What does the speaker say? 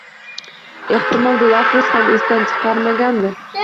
Ehtimol, Dilafruz ham esidan chiqazmagandir